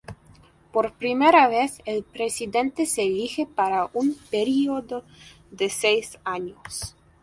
Por primera vez el presidente se elige para un período de seis años.